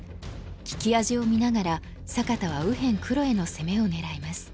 利き味を見ながら坂田は右辺黒への攻めを狙います。